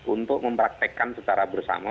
untuk mempraktekkan secara bersama